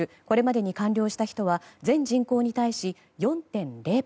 これまでに完了した人は全人口に対して４．０％。